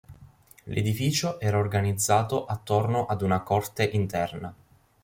L'edificio era organizzato attorno ad una corte interna.